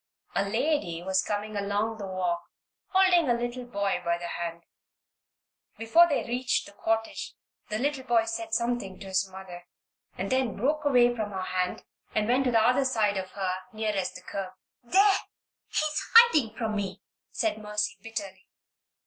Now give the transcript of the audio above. A lady was coming along the walk holding a little boy by the hand. Before they reached the cottage the little boy said something to his mother and then broke away from her hand and went to the other side of her, nearest the curb. "There! he's hiding from me," said Mercy, bitterly.